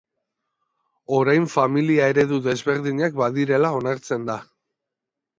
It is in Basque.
Orain familia eredu desberdinak badirela onartzen da.